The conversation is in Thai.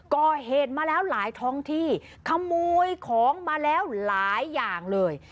ก่อเหตุมาแล้วหลายท้องที่ขโมยของมาแล้วหลายอย่างเลย